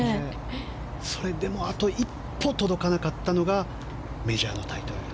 それでもあと一歩届かなかったのがメジャータイトルと。